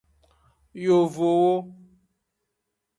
Yovowo.